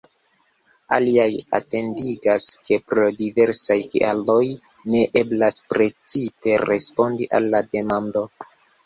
Aliaj atentigas, ke pro diversaj kialoj ne eblas precize respondi al la demando.